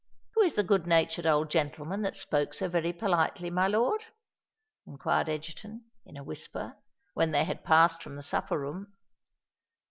"Who is the good natured old gentleman that spoke so very politely, my lord?" inquired Egerton, in a whisper, when they had passed from the supper room.